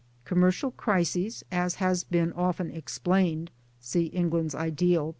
Commercial Crises, as has been often explained (see England's Ideal, pp.